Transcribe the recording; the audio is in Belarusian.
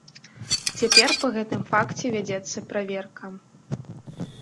Цяпер па гэтым факце вядзецца праверка.